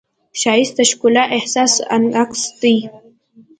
ښایست د ښکلي احساس انعکاس دی